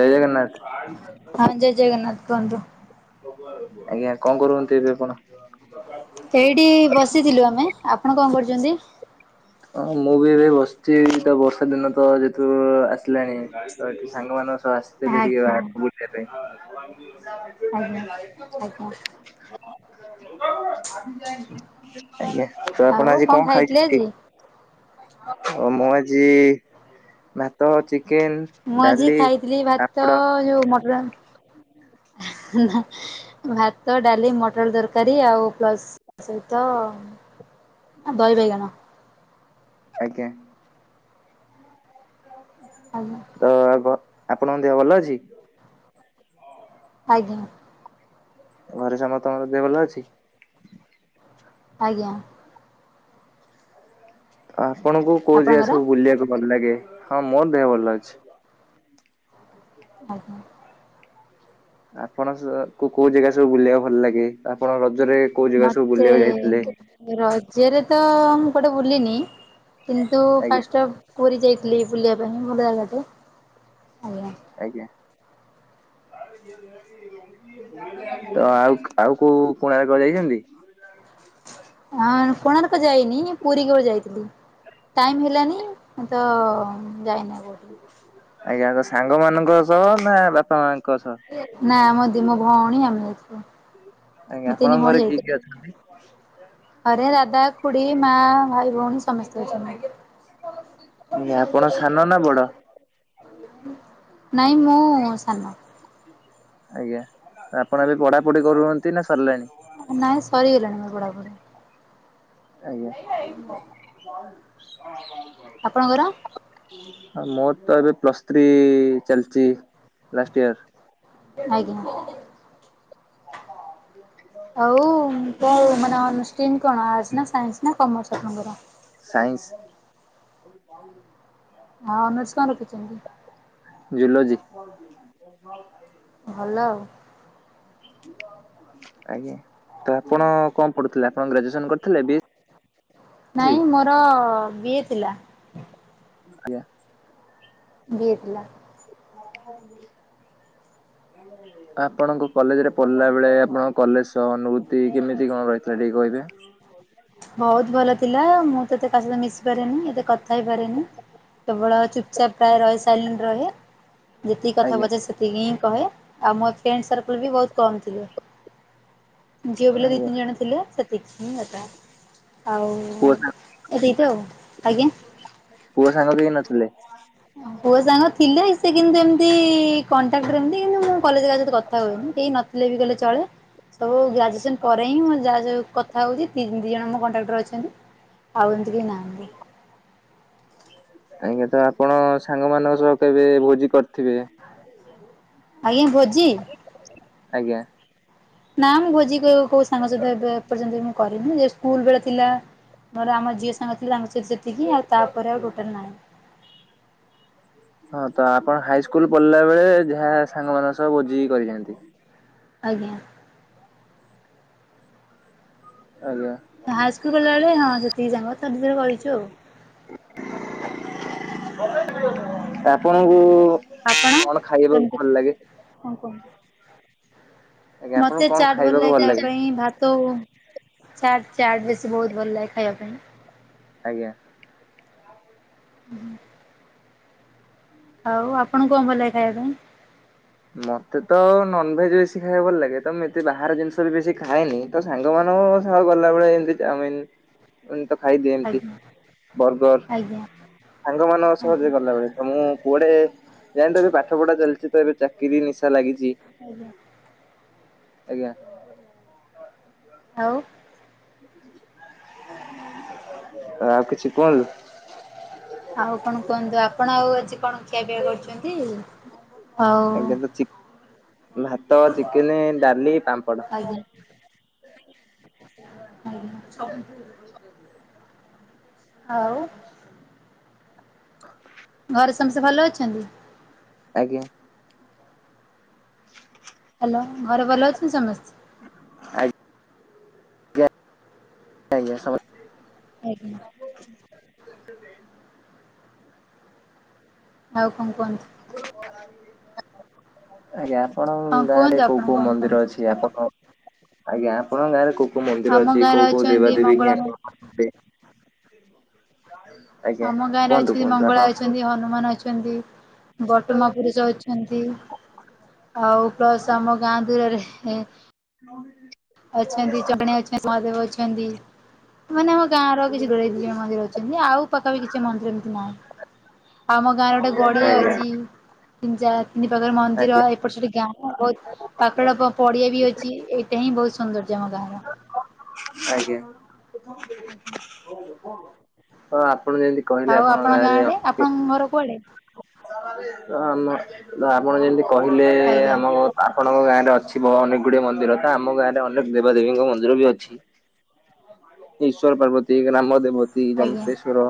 ଜୟ ଜଗନ୍ନାଥ। ଆଜ୍ଞା ହଁ ଜୟ ଜଗନ୍ନାଥ କୁହନ୍ତୁ। କଣ କରୁଛନ୍ତି ଏବେ ଆପଣ? ଏଇଠି ବସିଥିଲୁ ଆମେ ଆପଣ କଣ କରୁଛନ୍ତି? ହଁ ମୁଁ ବି ଏବେ ବସିଛି ଏଇତ ବର୍ଷା ଦିନ ତ ଯେହେତୁ ଆସିଲାଣି ତ ଏଠି ସାଙ୍ଗ ମାନଙ୍କ ସହ ଆସିଥିଲି ଟିକେ ଆଜ୍ଞା ବାହାରକୁ ବୁଲିବା ପାଇଁ। ଆଜ୍ଞା [unintelligible] ଆଜ୍ଞା ଆଜ୍ଞା ତ ଆପଣ ଆଉ ଆଜି କଣ ଖାଇଥିଲେ ଖାଇଛନ୍ତି? ଆଜି? ଓ ମୁଁ ଆଜି ଭାତ ଚିକେନ ମୁଁ ଆଜି ଡାଲି ଖାଇଥିଲି ଭାତ ପାମ୍ପଡ଼ ଯୋଉ ମଟର ଭାତ ଡାଲି ମଟର ଆଳୁ ତରକାରୀ ଆଉ ପ୍ଲସ ସହିତ ଦହି ବାଇଗଣ। ଆଜ୍ଞା। ଆଜ୍ଞା। ତ ଆଉ କଣ ଆପଣଙ୍କ ଦେହ ଭଲ ଅଛି? ଆଜ୍ଞା। ଘରେ ସମସ୍ତଙ୍କର ଦେହ ଭଲ ଅଛି? ଆଜ୍ଞା। ଆପଣଙ୍କୁ କୋଉ ଜେଗା ଆପଣଙ୍କର ସବୁ ବୁଲିବାକୁ ଭଲ ଲାଗେ ହଁ ମୋର ଦେହ ଭଲ ଅଛି। ଆଜ୍ଞା। ଆପଣ ସ କୁ କୋଉ ଜାଗା ସବୁ ବୁଲିବାକୁ ଭଲ ଲାଗେ ଆପଣ ରଜରେ କୋଉ ଜାଗା ସବୁ ମତେ ବୁଲିବାକୁ ଯାଇଥିଲେ? ରଜରେ ତ ମୁଁ କୁଆଡେ ବୁଲିିନି କିନ୍ତୁ ଆଜ୍ଞା ଫାଷ୍ଟ ପୁରୀ ଯାଇଥିଲିି ବୁଲିବା ପାଇଁ ଭଲ ଜାଗା ଟେ ଆଜ୍ଞା। ଆଜ୍ଞା। ତ ଆଉ ଆଉ କୋଉ କୋଣାର୍କ ଯାଇଛନ୍ତି? ହଁ କୋଣାର୍କ ଯାଇନି ପୁରୀ କେବଳ ଯାଇଥିଲି। ଟାଇମ୍ ହେଲାନି ତ ଯାଇନା କେଉଠି ଆଜ୍ଞା ତ ସାଙ୍ଗ ମାନଙ୍କ ସହ ନା ବାପା ମାଙ୍କ ସହ। ନାଇଁ ଆମ ଦି ମୋ ଭଉଣୀ ଆଉ ମୁଁ। ଆଜ୍ଞା ଆପଣଙ୍କରେ କିଏ କିଏ ଅ ଘରେ ଦାଦା ଖୁଡି ମା ଭାଇ ଭଉଣୀ ସମସ୍ତେ ଅଛନ୍ତି। ଆଜ୍ଞା ଆପଣ ସାନ ନା ବଡ? ନାଇଁ ମୁଁ ସାନ। ଆଜ୍ଞା ଆପଣ ଏବେ ପଢାପଢି କରୁଛନ୍ତି ନା ସରିଲାଣି? ନାଇଁ ସରିଗଲାଣି ମୋ ବଡାବଢି। ଆଜ୍ଞା [inaudible] ଆପଣଙ୍କର? ମୋର ତ ଏବେ ପ୍ଲସ୍ ଥ୍ରୀ ଚାଲିଛି ଲାଷ୍ଟ ଇୟର? ଆଜ୍ଞା। [inaudible] ଆଉ ତମର ମାନେ ଷ୍ଟିମ କଣ ଆର୍ଟସ ନା ସାଇନ୍ସ ନା କମର୍ସ ଆପଣଙ୍କର? ସାଇନ୍ସ। ହଉ। ହଁ ଅନର୍ସ କଣ ରଖିଛନ୍ତି? ଜୁଲୋଜି। [inaudible] ଭଲ ଆଉ। ଆଜ୍ଞା ତ ଆପଣ କଣ ପଢୁଥିଲେ ଆପଣ ଗ୍ରାଜୁଏସନ କରିଥିଲେ ବି ଏସ୍ ସି? ନାଇଁ ମୋର ବିଏ ଥିଲା। ଆଜ୍ଞା। ବିଏ ଥିଲା। [inaudible] ଆପଣଙ୍କ କଲେଜ ରେ ପଢିଲା ବେଳେ ଆପଣଙ୍କ କଲେଜ ଅନୁଭୂତି କେମିତି କଣ ରହିଥିଲା ଟିକେ କହିବେ? ବହୁତ ଭଲ ଥିଲା ମୁଁ ଏତେ କାହା ସହିତ ମିଶି ପାରେନି ଏତେ କଥା ହେଇପାରେନି। କେବଳ ଚୁପଚାପ୍ ପ୍ରାୟ ରହେ ସାଇଟ ରହେ ଯେତିକି କଥା ଆଜ୍ଞା ପଚାରେ ସେତିକି ହିଁ କହେ ଆଉ ମୋ ଫ୍ରେଣ୍ଡ ସର୍କଲ୍ ବି ବହୁତ କମ୍ ଥିଲେ। ଝିଅ ପିଲା ଦି ଆଜ୍ଞା ତିନି ଜଣ ଥିଲେ ସେତିକି ହିଁ କଥା। ଆଉ ପୁଅ ସା ଏତିକି ତ ଆଉ ଆଜ୍ଞା? ପୁଅ ସାଙ୍ଗ କେହି ନଥିଲେ? ପୁଅ ସାଙ୍ଗ ଥିଲେ ସେ କିନ୍ତୁ ଏମିତି କଣ୍ଟାକ୍ଟମତି କିନ୍ତୁ କଲେଜ ରେ କଥା ହୁଏନି କେହି ନଥିଲେ ବି କଲେ ଚଳେ ସବୁ ଗ୍ରାଜୁଏସନ ପରେ ହିଁ ଯା କଥା ହେଉଛି ତିି ଦୁଇ ଜଣ ମୋ କଣ୍ଟ୍ରାକ୍ଟର ଅଛନ୍ତି ଆଉ ଏମିତି କେହି ନାହାନ୍ତି। ଆଜ୍ଞା ତ ଆପଣ ସାଙ୍ଗମାନଙ୍କ ସହ କେବେ ଭୋଜି କରିଥିବେ? ଆଜ୍ଞା ଭୋଜି ଆଜ୍ଞା। ନା ମୁଁ ଭୋଜି କୋଉ ସାଙ୍ଗ ସହିତ ଏବେର୍ଯ୍ୟନ୍ତ ମୁଁ କରିନି ସ୍କୁଲ ବେଳେ ଥିଲା। ମୋର ଆମ ଝିଅ ସାଙ୍ଗ ଥିଲା ତାଙ୍କ ସହିତ ସେତିକି ଆଉ ତାପରେ ଆଉ ଟୋଟାଲ ନାହିଁ। ହଁ ତ ଆପଣ ହାଇସ୍କୁଲ ପଢିଲା ବେଳେ ଯାହା ସାଙ୍ଗମାନଙ୍କ ସହ ଭୋଜି କରିଯାଆନ୍ତି। ଆଜ୍ଞା। ଆଜ୍ଞା। ହାଇସ୍କୁଲ କଲାବେଳେ ହଁ ସେତିକି ସାଙ୍ଗ ଥରେଥରେ କରିଛୁ ଆଉ। ଆପଣଙ୍କୁ ଆପଣ କଣ ଖାଇବାକୁ କେମିତି ଭଲ ଲାଗେ? ହଁ କୁହନ୍ତୁ? ଆଜ୍ଞା ଆପଣଙ୍କୁ ମତେ କଣ ଚାଟ ଭଲ ଖାଇବାକୁ ଲାଗେ ଖାଇବା ପାଇଁ ଭାତ ଚାଟ ଚାଟ ବେଶୀ ବହୁତ ଭଲ ଲାଗେ ଖାଇବା ପାଇଁ। ଆଜ୍ଞା। ହୁଁ। ଆଉ ଆପଣ କଣ ଭଲ ଖାଇବା ପାଇଁ? ମତେ ତ ନନଭେଜ ବେଶୀ ଖାଇବାକୁ ଭଲ ଲାଗେ ତ ମୁଁ ଏତେ ବାହାର ଜିନିଷ ବି ବେଶୀ ଖାଏନି। ତ ସାଙ୍ଗ ମାନଙ୍କ ସହ ଗଲାବେଳେ ଏମିତି ଚାମିନ ମୁଁ ତ ଖାଇଦିଏ ଏମତି ଆଜ୍ଞା ବର୍ଗର ଆଜ୍ଞା ସାଙ୍ଗ ମାନଙ୍କ ଆଜ୍ଞା ସହଜରେ ଗଲାବେଳେ। ତ ମୁଁ କୁଆଡେ ଯାଇ ତ ଏବେ ପାଠ ପଢା ଚାଲିଛି ତ ଏବେ ଚାକିରି ନିଶା ଲାଗିଛି। ଆଜ୍ଞା। ଆଜ୍ଞା। ଆଉ। ଆଉ କିଛି କୁହନ୍ତୁ। ଆଉ କଣ କୁହନ୍ତୁ ଆପଣ ଆଉ ଆଜି କଣ ଖିଆ ପିଆ କରୁଛନ୍ତି? ଆଜ୍ଞା ଭାତ ଚିକେନେ ଡାଲି ପାମ୍ପଡ। ଆଜ୍ଞା [unintelligible] ଆଜ୍ଞା ସବୁ। ହଉ। ଘରେ ସମସ୍ତେ ଭଲ ଅଛନ୍ତି? ଆଜ୍ଞା। [inaudible] ହ୍ୟାଲୋ। ଘରେ ଭଲ ଅଛନ୍ତି ସମସ୍ତେ। ଆଜ୍ଞ ଆଜ୍ଞ ସମ ଆଜ୍ଞା। ଆଉ କଣ କୁହନ୍ତୁ? ଆଜ୍ଞା। କଣ ହଁ ଗାଁ ରେ କୁହନ୍ତୁ ଆପଣ କୋଉ କୋଉ କଣ ମନ୍ଦିର କୁହନ୍ତୁ? ଅଛି? ଆପଣ ଆଜ୍ଞା ଆପଣଙ୍କ ଗାଁରେ କୋଉ କୋଉ ମନ୍ଦିର ଆମ ଅଛି? ଗାଁରେ କଉ କଉ ଅଛନ୍ତି ଦେବାଦେବୀ ମଙ୍ଗଳା କି ମା ଦେଇ। ଆମ ଗାଁରେ ଅଛନ୍ତି ମଙ୍ଗଳା ଅଛନ୍ତି ହନୁମାନ ଅଛନ୍ତି ବ ଉତମ ପୁରୁଷ ଅଛନ୍ତି ଆଉ ପ୍ଲସ ଆମ ଗାଁ ଦୂରରେ [inaudible] ଅଛନ୍ତି ଜଣେ ଅଛନ୍ତି ମହାଦେବ ଅଛନ୍ତି। ମାନେ ଆମ ଗାଁ ର କିଛି ଗରେ ଦ ମନ୍ଦିର ଅଛନ୍ତି ଆଉ ପାଖରେ ବି କିଛି ମନ୍ଦିର ନାହିଁ। ଆମ ଗାଁରେ ଗୋଟେ ଗଡିଆ ଆଜ୍ଞା ଅଛି। ତିନି ଚାର ତିନି ପାଖରେ ମନ୍ଦିର ଆଜ୍ଞା ଏପଟ ସେଠି ଗାଁ ବହୁତ ପାଖଟା ପଡିଆ ବି ଅଛି ଏ ଏ ହି ବହୁତ ସନ୍ଦର୍ୟ ଆମ ଗାଁ ର। ଆଜ୍ଞା ହଁ ଆପଣ ଯେମିତି। କହିଲେ ଆପଣଙ୍କ ଗାଁରେ ଙ୍ଗର କଳେ। ତ ଆମ ଆପଣ ଯେମତି କହିଲେ ଆଜ୍ଞା ଆମ ଆପଣଙ୍କ ଗାଁ ରେ ଅଛି ବ ଅନେକ ଗୁଡିଏ ମନ୍ଦିର ତ ଆମ ଗାଁ ରେ ଅନେକ ଦେବାଦେବୀଙ୍କ ମନ୍ଦିର ବି ଅଛିମ ଈଶ୍ୱର ପାର୍ବତୀ ଗ୍ରାମ ଦେବତୀ ଆଜ୍ଞା ଜମତେଶ୍ଵର।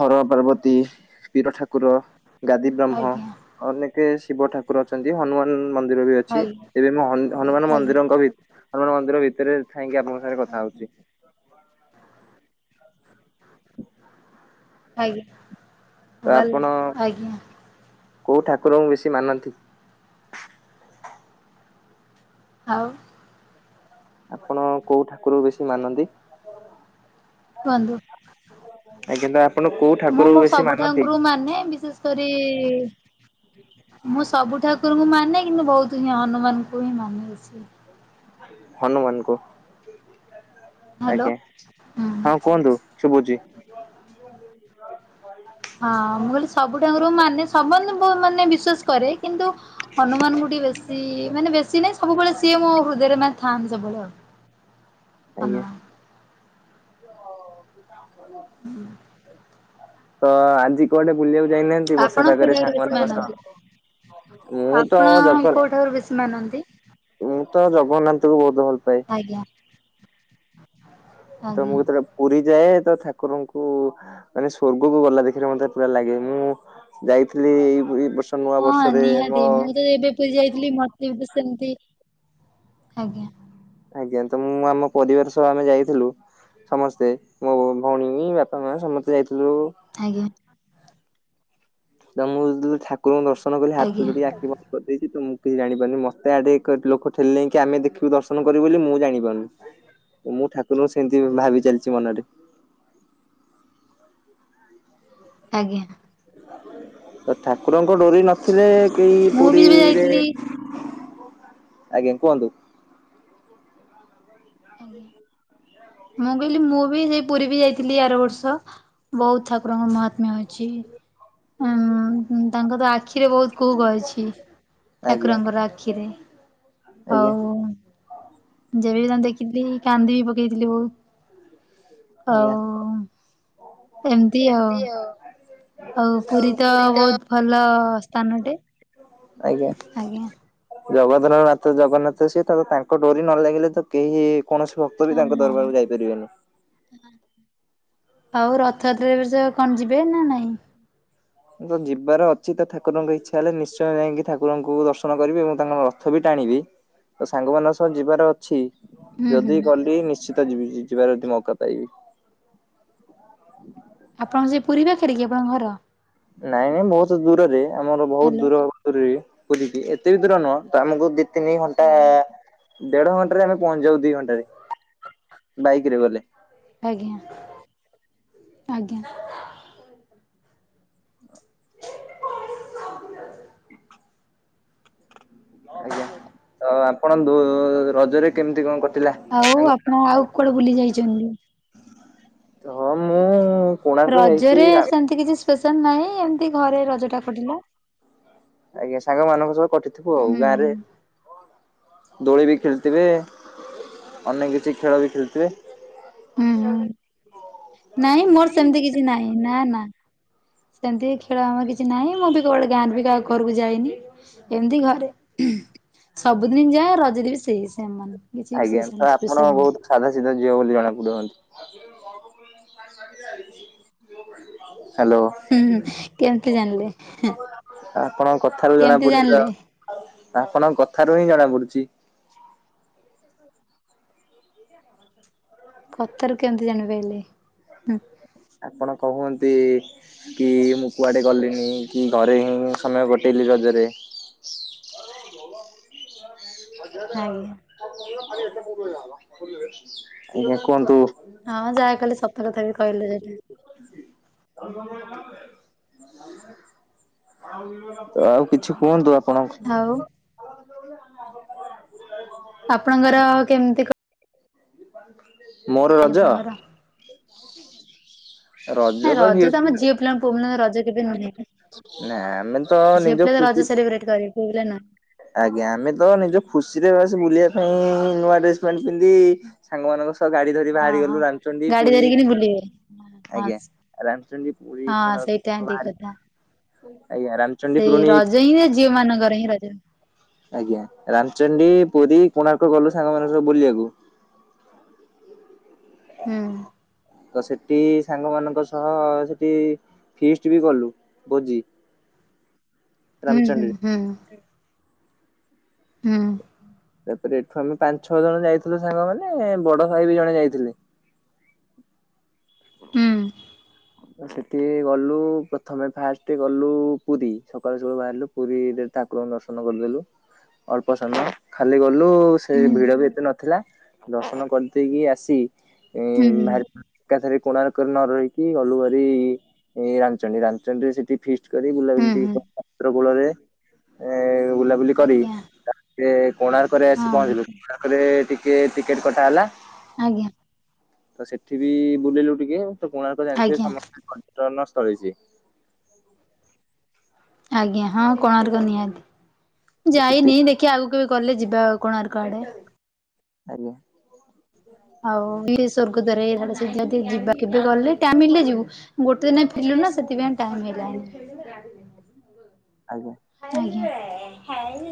ହର ପାର୍ବତୀ ପୀର ଠାକୁର ଗାଦୀ ବ୍ରହ୍ମ। ଆଜ୍ଞା ଅନେକେ ଶିବ ଠାକୁର ଅଛନ୍ତି ହନୁମାନ ମନ୍ଦିର ବି ଅଛି ଆଜ୍ଞା ହେଲେ ହନୁମାନ- ହନୁମାନ ଆଜ୍ଞା ମନ୍ଦିରଙ୍କ ଭିତରକୁ ଆମ ମନ୍ଦିର ଭିତରେ ଥାଇ ଆପଣଙ୍କ ସାଙ୍ଗ ରେ କଥା ହଉଛି [inaudible] ଆଜ୍ଞା। ତ ଭଲ ଆପଣ ଆଜ୍ଞା କୋଉ ଠାକୁରଙ୍କୁ ବେଶୀ ମାନନ୍ତି? ଆଉ। ଆପଣ କୋଉ ଠାକୁର କୁ ବେଶୀ ମାନନ୍ତି? କୁହନ୍ତୁ। ଆଜ କିନ୍ତୁ ଆପଣ କୋଉ ମୁଁ ଠାକୁରକୁ ମୋ ବେଶୀ ସବୁ ମାନନ୍ତି? ଠାକୁରଙ୍କୁ ମାନେ ବିଶେଷ କରି ମୁଁ ସବୁ ଠାକୁରଙ୍କୁ ମାନେ କିନ୍ତୁ ବହୁତ ହିଁ ହନୁମାନଙ୍କୁ ହିଁ ମାନେ। ହନୁମାନ କୁ, ହ୍ୟାଲୋ ଆଜ୍ଞା। ହୁଁ। ହଁ, କୁହନ୍ତୁ ଶୁଭୁଛି। ହଁ ମୁଁ କହିଲି ସବୁଠାକୁରଙ୍କୁ ମାନେ ସମନ-ମାନେ ବିଶ୍ଵାସ କରେ କିନ୍ତୁ ହନୁମାନ କୁ ଟିକେ ବେଶ ସିଏ ମାନେ ବେଶୀ ନାହିଁ ସବୁବେଳେ ସିଏ ମୋ ହୃଦୟରେ ମାନେ ଥାଆନ୍ତି ସବୁବେଳେ ଆଉ ଆଜ୍ଞା। ହନୁମାନ। ତ ଆଜି କୁଆଡେ ବୁଲିବାକୁ ଯାଇନାହାନ୍ତି ଆପଣ ବର୍ଷା କୋଉ ପାଗରେ ଠାକୁର ବେଶୀ ସାଙ୍ଗମାନଙ୍କ ମାନନ୍ତି ସହ ମୁଁ ତ ଆପଣ ଜଫର କୋଉ ଠାକୁର ବେଶୀ ମାନନ୍ତି ମୁଁ ତ ଜଗନ୍ନାଥଙ୍କୁ ବହୁତ ଭଲ ପାଏ। ଆଜ୍ଞା। ତ ଆଜ୍ଞା ମୁଁ ଯେତେବେଳେ ପୁରୀ ଯାଏ, ତ ଠାକୁରଙ୍କୁ ମାନେ ସ୍ଵର୍ଗକୁ ଗଲା ଦେଖିଲେ ମତେ ପୁରା ଲାଗେ। ମୁଁ ଯାଇଥିଲି ଏଇ-ଏଇ ବର୍ଷ ନୂଆ ହଁ ବର୍ଷରେ ନିହାତି। ମୋ ମୁଁ ତ ଏବେ ପୁରୀ ଯାଇଥିଲି, ମତେ ବି ତ ସେମତି ଆଜ୍ଞା। ଆଜ୍ଞା। ତ ମୁଁ ଆମ ପରିବାର ସହ ଆମେ ଯାଇଥିଲୁ ସମସ୍ତେ, ମୋ ଭ-ଭଉଣୀ, ବାପା, ମା ସମସ୍ତେ ଯାଇଥିଲୁ ଆଜ୍ଞା। ତ ମୁଁ ଯେତେ ଦୂରୁ ଠାକୁରଙ୍କୁ ଦର୍ଶନ କଲି ହାତ ଆଜ୍ଞା ଯୋଡ଼ି ଆଖି ବନ୍ଦ କରିଦେଇଛି ତ ମୁଁ କିଛି ଜାଣିପାରୁନି। ମତେ ଆଡେ ଏକରେ ଲୋକ ଠେଲି ଲେଇଁ କି, ଆମେ ଦେଖିବୁ ଦର୍ଶନ କରିବୁ ବୋଲି ମୁଁ ଜାଣିପାରୁନି। ମୁଁ ଠାକୁରଙ୍କୁ ସେମତି ବି ଭାବି ଚାଲିଛି ମନରେ। ଆଜ୍ଞା। ତ ଠାକୁରଙ୍କ ଡୋରି ନଥିଲେ, କେଇ ମୁଁ ବି ଏବେ ପୁରୀରେ ଯାଇଥିଲି ଆଜ୍ଞା, କୁହନ୍ତୁ। ଆଜ୍ଞା ମୁଁ କହିଲି ମୁଁ ବି ସେଇ ପୁରୀ ବି ଯାଇଥିଲି ଆର ବର୍ଷ ବହୁତ ଠାକୁରଙ୍କ ମହାତ୍ମ୍ୟ ଅଛି। ହଁ-ଉଁ ତାଙ୍କର ଆଖିରେ ବହୁତ କୁହୁକ ଅଛି। ଆଜ୍ଞା ଠାକୁରଙ୍କର ଆଖିରେ, ଆଜ୍ଞା ହଉ ହଉ। ଯେବେ ବି ତାଙ୍କ ଦେଖ ଖିଥିଲି କାନ୍ଦି ବି ପକେଇଥିଲି ବହୁତ। ଆଜ୍ଞା। ହଉ ଏମତି ଆଉ। ଆଉ ପୁରୀ ତ ବହୁତ ଭଲ ସ୍ଥାନଟେ ଆଜ୍ଞା। ଆଜ୍ଞା। ଜଗତର ନାଥ ଜଗନ୍ନାଥ ସିଏ, ତାପରେ ତାଙ୍କ ଡୋରି ନ ଲାଗିଲେ ତ କେହି କୌଣସି ଭକ୍ତ ବି ତାଙ୍କ ହଁ ଦରବାରକୁ ଯାଇପାରିବେନି। ଆଉ ରଥଯାତ୍ରାରେ ଏ ବର୍ଷ କଣ ଯିବେ ନା ନାହିଁ? ମୋର ତ ଯିବାର ଅଛି ତ, ଠାକୁରଙ୍କ ଇଚ୍ଛା ହେଲେ ନିଶ୍ଚୟ ଯାଇଁକି ଠାକୁରଙ୍କୁ ଦର୍ଶନ କରିବି ଏବଂ ତାଙ୍କର ରଥ ବି ଟାଣିବି। ତ ସାଙ୍ଗମାନଙ୍କ ସହ ଯିବାର ଅଛି, ହୁଁ ଯଦି ହୁଁ ଗଲି ନିଶ୍ଚିତ ଯିବି, ଯିବାର ଯଦି ମଉକା ପାଇବି। ଆପଣଙ୍କର ସେଇ ପୁରୀ ପାଖରେ କି, ଆପଣଙ୍କ ଘର? ନାଇଁ ନାଇଁ ବହୁତୁ ଦୂରରେ, ଆମର ବହୁତ ହ୍ୟାଲୋ ଦୂର। ପୁରୀରେ ପୁରୀକି, ଏତେ ବି ଦୂର ନୁହଁ ତ ଆମକୁ ଦି ତିନି ଘଣ୍ଟା ଆଜ୍ଞା ଦେଢ ଘଣ୍ଟାରେ ଆମେ ପହଞ୍ଚିଯାଉ ଦିଇ ଘଣ୍ଟାରେ, ବାଇକରେ ଗଲେ। ଆଜ୍ଞା, ଆଜ୍ଞା। ଆଜ୍ଞା। ତ ଆପଣ ଦୂ-ଉ ରଜରେ କେମତି କଣ କଟିଲା? ଆଉ ସାଙ୍ଗ ଆପଣ, ଆଉ କୁଆଡେ ବୁଲି ଯାଇଛନ୍ତି? ହଁ ମୁଁ କୋଣାର୍କ ଯାଇଛି ରଜରେ ରା ସେମତି କିଛି ସ୍ପେଶାଲ ନାହିଁ, ଏମତି ଘରେ ରଜଟା କଟିଲା। ଆଜ୍ଞା। ସାଙ୍ଗମାନଙ୍କ ସହ କଟିଥିବ ଆଉ। ହୁଁ ଗାଁରେ ହୁଁ। ଦୋଳି ବି ଖେଳିଥିବେ, ଅନେକ କିଛି ଖେଳ ବି ଖେଳିଥିବେ? ହୁଁ, ହୁଁ। ନାଇଁ ମୋର ସେମତି କିଛି ନାହିଁ, ନା ନା। ସେମତି ବି ଖେଳ ଆମର କିଛି ନାହିଁ, ମୁଁ ବି କୁଆଡେ ଗାଁର ବି କାହା ଘରକୁ ଯାଇନି ଏମତି ଘରେ। ସବୁଦିନି ଯାହ ରଜରେ ବି ସେ ସେଇ ସେମାନ, କିଛି ଆଜ୍ଞା ବିଶେଷ ତ ନାହିଁ ଆପଣ ସ୍ପେଶାଲ ନାହିଁ। ବହୁତ ସାଧା ସିଧା ଝିଅ ବୋଲି ଜଣାପଡ଼ିବନି। ହୁଁ ହୁଁ। କେମତି ଜାଣିଲେ? ହେଁ ଆପଣଙ୍କ କଥାରୁ ଜଣାପଡୁଚି ତ, ଆପଣଙ୍କ କଥାରୁ ହିଁ ଜଣାପଡୁଚି। ଏ [unintelligible] ହଛି [unintelligible] କଥାରୁ କେମିତି ଜାଣିପାଇଲେ? ଆପଣ କହନ୍ତି କି ମୁଁ କୁଆଡେ ଗଲିନି, କି ଘରେ ହିଁ ସମୟ କଟେଇଲି ରଜରେ। ଆଜ୍ଞା। ଆଜ୍ଞା କୁହନ୍ତୁ। ହଁ ଯାହା କହିଲେ, ସତ କଥା ବି କହିଲେ ସେଇଟା। ଆଉ କିଛି କୁହନ୍ତୁ ଆପଣ? ଆଉ ଆପଣଙ୍କର କେମିତି କ ମୋର କଣ ରଜ? ଆପଣଙ୍କର? ନାଇଁ ରଜ ତ ଆମ ଝିଅପିଲା, ପୁଅ ପିଲାଙ୍କ ରଜ ଏବେ ନୁହେଁ, ନା ଆମେ ତ ନିଜ ଝିଅପିଲା ତ ଖୁସି ରଜ ସେଲିବ୍ରେଟ କରିବେ ପୁଅପିଲା ନୁହେଁ। ଆଜ୍ଞା ଆମେ ତ ନିଜ ଖୁସିରେ ବାସ୍ ବୁଲିବା ପାଇଁ, ନୂଆ ଡ୍ରେସ ପ୍ୟାଣ୍ଟ ପିନ୍ଧି ସାଙ୍ଗମାନଙ୍କ ସହ ଗାଡି ଧରି ହଁ ବାହାରି ହଁ। ଗଲୁ ରାମଚଣ୍ଡୀ, ଗାଡି ପୁରୀ ଧରିକିନି ବୁଲିବେ। ହଁ ଆଜ୍ଞା ରାମଚଣ୍ଡି, ପୁରୀ, ହଁ ସେଇଟା କୋଣାର୍କ ଠିକ ବାହାରି କଥା ଗଲୁ। ଆଜ୍ଞା ରାମଚଣ୍ଡୀ ପୁରୁଣି ସେଇଆ ଝିଅମାନଙ୍କର ହିଁ ରଜ। ଆଜ୍ଞା ରାମଚଣ୍ଡୀ, ପୁରୀ, କୋଣାର୍କ ଗଲୁ ସାଙ୍ଗମାନଙ୍କ ସହ ବୁଲିବାକୁ। ହୁଁ। ତ ସେଠି ସାଙ୍ଗମାନଙ୍କ ସହ ସେଠି ଫିଷ୍ଟ ବି କଲୁ ଭୋଜି। ହୁଁ- ହୁଁ- ରାମଚଣ୍ଡୀରେ। ହୁଁ। ହୁଁ। ତାପରେ ଏଠୁ ଆମେ ପାଞ୍ଚ ଛଅ ଜଣ ଯାଇଥିଲୁ ସାଙ୍ଗମାନେ, ବଡ ଭାଇ ବି ଜଣେ ଯାଇଥିଲେ। ହୁଁ। ସେଠି ଗଲୁ ପ୍ରଥମେ ଫାଷ୍ଟ ଗଲୁ ପୁରୀ, ସକାଳୁ ସକାଳୁ ବାହାରିଲୁ ପୁରୀରେ ଠାକୁରଙ୍କୁ ଦର୍ଶନ କରିଦେଲୁ। ଅଳ୍ପ ସମୟ, ଖାଲି ଗଲୁ ସେ ହୁଁ ଭିଡ ବି ଏତେ ନଥିଲା। ଦର୍ଶନ କରିଦେଇକି ଆସି, ହୁଁ ହୁଁ। ବାହାରି ପଡ଼ି ଏକାଥରେ କୋଣାର୍କରେ ନ ରହିକି ଗଲୁ ଭାରି ରାମଚଣ୍ଡୀ, ରାମଚଣ୍ଡୀରେ ସେଠି ଫିଷ୍ଟ କରି ବୁଲାବୁଲି ହୁଁ ହୁଁ ଟିକେ [unintelligible] କୂଳରେ ଏ ବୁଲା ବୁଲି କରି ଆଜ୍ଞା ତାପରେ କୋଣାର୍କରେ ଆସି ହଁ ପହଞ୍ଚିଲୁ, ଆଜ୍ଞା କୋଣାର୍କରେ ଟିକେ ଟିକେଟ କଟା ହେଲା। ଆଜ୍ଞା। ତ ସେଠି ବି ବୁଲିଲୁ ଟିକେ, ତ କୋଣାର୍କ ଜାଣିଥିବେ ଆଜ୍ଞା। ସମସ୍ତେ ପର୍ଯ୍ୟଟନସ୍ଥଳୀ ସିଏ। ଆଜ୍ଞା ହଁ କୋଣାର୍କ ନିହାତି, ତ ସେଠି ଯାଇନି ଦେଖ କି ଆଉ କେବେ ଗଲେ ଯିବା କୋଣାର୍କ ଆଡ଼େ ଆଉ। ଆଜ୍ଞା। ଆଉ ବି ସ୍ୱର୍ଗଦ୍ଵାର [unintelligible] ଆଡେ ଯିବା କେବେ ଗଲେ ଟାଇମ୍ ମିଳିଲେ ଯିବୁ। ଗୋଟେ ଦିନରେ ଫେରିଲୁ ନା, ସେଥିପାଇଁ ଟାଇମ୍ ହେଲାନି। ଆଜ୍ଞା। ଆଜ୍ଞା।